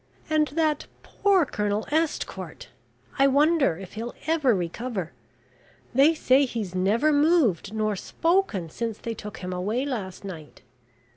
And that poor Colonel Estcourt I wonder if he'll ever recover they say he's never moved nor spoken since they took him away last night.